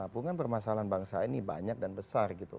bukan permasalahan bangsa ini banyak dan besar gitu